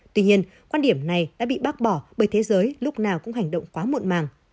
tuy nhiên quan điểm này đã bị bác bỏ bởi thế giới lúc nào cũng hành động quá muộn màng